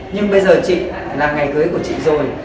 nhưng bây giờ chị là ngày cưới của chị rồi